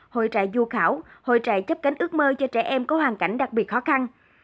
hội trại du khảo hội trại chấp cánh ước mơ cho trẻ em có hoàn cảnh đặc biệt khó khăn